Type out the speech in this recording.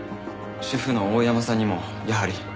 主婦の大山さんにもやはり。